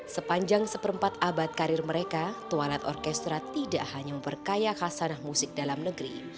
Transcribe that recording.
sepanjang seperempat abad karir mereka twalat orkestra tidak hanya memperkaya khasanah musik dalam negeri